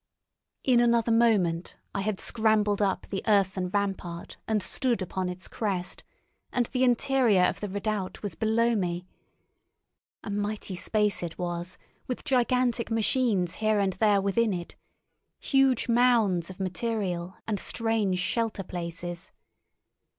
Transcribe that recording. In another moment I had scrambled up the earthen rampart and stood upon its crest, and the interior of the redoubt was below me. A mighty space it was, with gigantic machines here and there within it, huge mounds of material and strange shelter places.